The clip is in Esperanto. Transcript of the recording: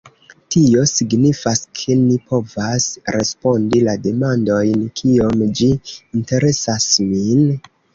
Tio signifas, ke ni povas respondi la demandojn: "Kiom ĝi interesas min?